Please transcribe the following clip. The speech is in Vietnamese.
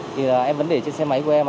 thì em vẫn để trên xe máy của em